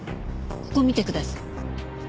ここ見てください。